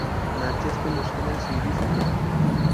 matches پہ مشتمل series تھی